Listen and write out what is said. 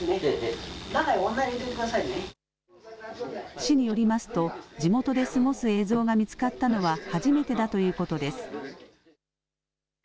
市によりますと地元で過ごす映像が見つかったのは初めてだということです。